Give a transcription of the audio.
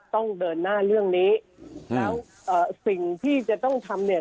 ต้องเดินหน้าเรื่องนี้แล้วเอ่อสิ่งที่จะต้องทำเนี่ย